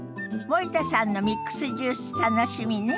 森田さんのミックスジュース楽しみね。